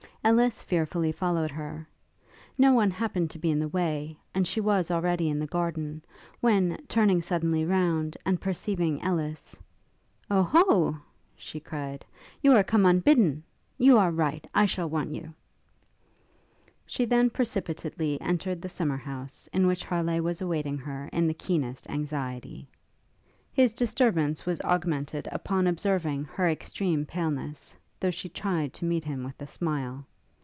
Ellis fearfully followed her. No one happened to be in the way, and she was already in the garden, when, turning suddenly round, and perceiving Ellis, 'Oh ho!' she cried, 'you come unbidden? you are right; I shall want you.' She then precipitately entered the summer house, in which Harleigh was awaiting her in the keenest anxiety. His disturbance was augmented upon observing her extreme paleness, though she tried to meet him with a smile.